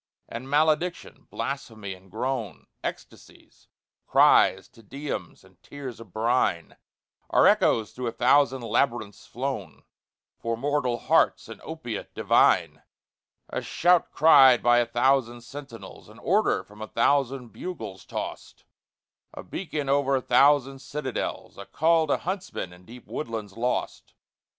And malediction, blasphemy and groan, Ecstasies, cries, Te Deums, and tears of brine, Are echoes through a thousand labyrinths flown; For mortal hearts an opiate divine; A shout cried by a thousand sentinels, An order from a thousand bugles tossed, A beacon o'er a thousand citadels, A call to huntsmen in deep woodlands lost.